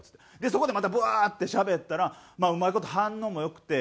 そこでまたブワーッてしゃべったらうまい事反応も良くて。